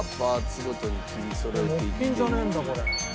木琴じゃねえんだこれ。